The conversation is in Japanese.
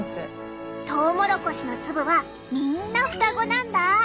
トウモロコシの粒はみんな双子なんだ！